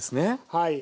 はい。